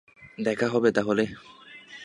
দেখা হবে তাহলে।